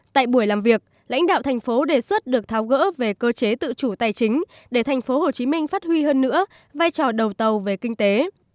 tại buổi làm việc lãnh đạo thành phố đề xuất được tháo gỡ về cơ chế tự chủ tài chính để thành phố hồ chí minh phát huy hơn nữa vai trò đầu tàu về kinh tế